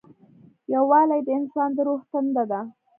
یووالی د انسان د روح تنده ده.